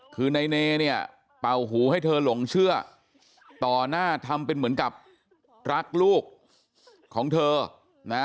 คือนายเนเนี่ยเป่าหูให้เธอหลงเชื่อต่อหน้าทำเป็นเหมือนกับรักลูกของเธอนะ